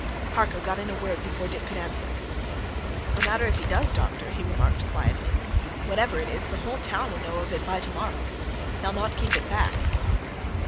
Harker got in a word before Dick could answer. "No matter if he does, doctor," he remarked quietly. "Whatever it is, the whole town'll know of it by tomorrow. They'll not keep it back."